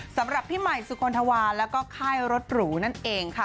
สำหรับพี่ใหม่สุคลธวาแล้วก็ค่ายรถหรูนั่นเองค่ะ